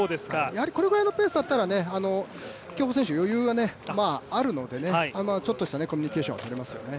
これぐらいのペースだったら競歩選手、余裕があるのでねちょっとしたコミュニケーションは取りますよね。